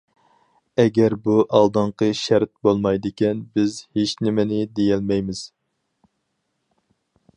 ئەگەر بۇ ئالدىنقى شەرت بولمايدىكەن بىز ھېچنېمىنى دېيەلمەيمىز.